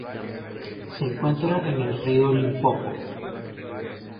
Se encuentra en el río Limpopo.